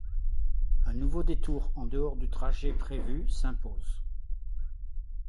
Un nouveau détour en dehors du trajet prévu s’impose.